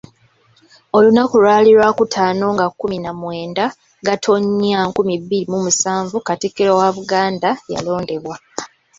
Olunaku lwali Lwakutaano nga kkuminamwenda, Gatonnya nkumi bbiri mu musanvu, Katikkiro wa Buganda yalondebwa.